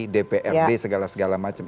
dprd segala segala macam